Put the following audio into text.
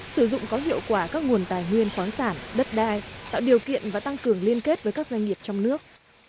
sử dụng có hiệu quả các nguồn tài nguyên khoáng sản đất đai tạo điều kiện và tăng cường liên kết với các doanh nghiệp trong nước